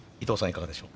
いかがでしょう？